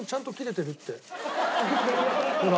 ほら。